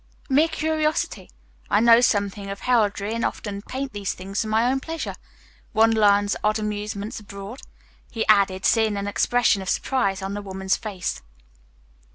"Mere curiosity; I know something of heraldry and often paint these things for my own pleasure. One learns odd amusements abroad," he added, seeing an expression of surprise on the woman's face.